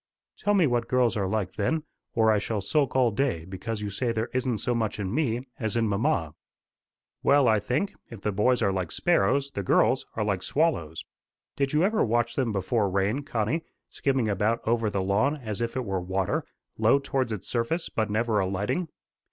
"Tell me what girls are like, then, or I shall sulk all day because you say there isn't so much in me as in mamma." "Well, I think, if the boys are like sparrows, the girls are like swallows. Did you ever watch them before rain, Connie, skimming about over the lawn as if it were water, low towards its surface, but never alighting?